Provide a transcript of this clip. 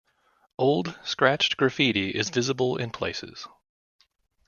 Old scratched graffiti is visible in places.